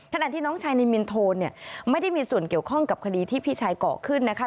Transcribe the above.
น้องชายในมินโทนเนี่ยไม่ได้มีส่วนเกี่ยวข้องกับคดีที่พี่ชายเกาะขึ้นนะคะ